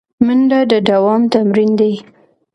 منډه د دوام تمرین دی